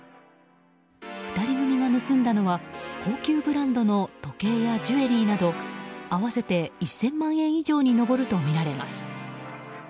２人組が盗んだのは高級ブランドの時計やジュエリーなど合わせて１０００万円以上に上るとみられます。